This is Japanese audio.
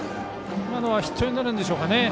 今のはヒットエンドランでしょうかね。